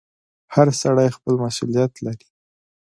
• هر سړی خپل مسؤلیت لري.